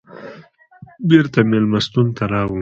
بېرته مېلمستون ته راغلو.